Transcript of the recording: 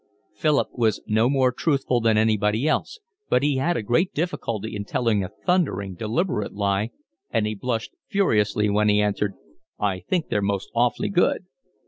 Philip was no more truthful than anybody else, but he had a great difficulty in telling a thundering, deliberate lie, and he blushed furiously when he answered: "I think they're most awfully good."